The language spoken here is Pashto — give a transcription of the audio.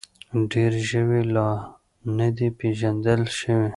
ډېر ژوي لا نه دي پېژندل شوي.